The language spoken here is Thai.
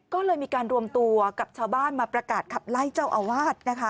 ก็เลยมีการรวมตัวกับชาวบ้านมาประกาศขับไล่เจ้าอาวาสนะคะ